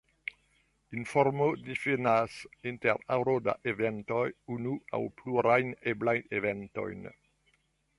Informo difinas, inter aro da eventoj, unu aŭ plurajn eblajn eventojn.